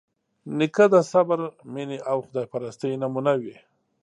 نیکه د صبر، مینې او خدایپرستۍ نمونه وي.